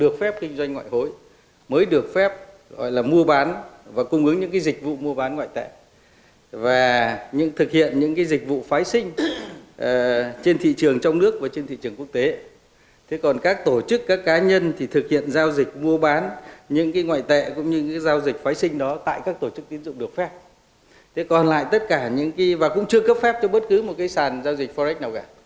chưa cấp phép cho bất cứ một cái sàn giao dịch forex nào cả